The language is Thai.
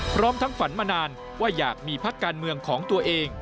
พร้อมทั้งฝันมานานว่าอยากมีพักการเมืองของตัวเอง